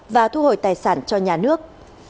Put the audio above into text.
và thu hồi tài sản cho nhà nước